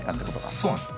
そうなんですよ。